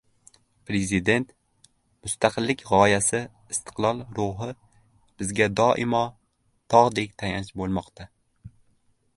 Prezident: Mustaqillik g‘oyasi, istiqlol ruhi bizga doimo tog‘dek tayanch bo‘lmoqda